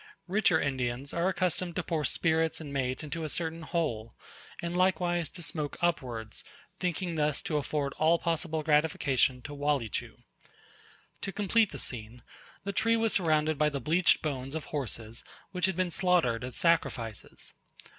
Richer Indians are accustomed to pour spirits and mate into a certain hole, and likewise to smoke upwards, thinking thus to afford all possible gratification to Walleechu. To complete the scene, the tree was surrounded by the bleached bones of horses which had been slaughtered as sacrifices.